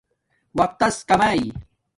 وقت تس کماݵ